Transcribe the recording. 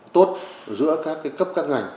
tốt giữa các cấp các ngành